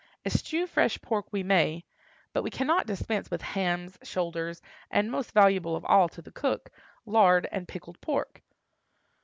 Eschew fresh pork we may, but we cannot dispense with hams, shoulders, and, most valuable of all to the cook, lard and pickled pork.